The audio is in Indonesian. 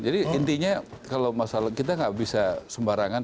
jadi intinya kalau masalah kita tidak bisa sembarangan